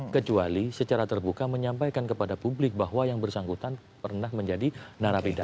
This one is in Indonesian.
kecuali secara terbuka menyampaikan kepada publik bahwa yang bersangkutan pernah menjadi narapidana